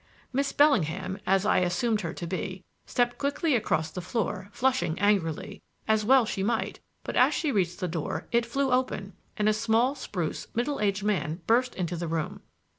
Miss Bellingham as I assumed her to be stepped quickly across the floor, flushing angrily, as well she might; but, as she reached the door, it flew open and a small, spruce, middle aged man burst into the room.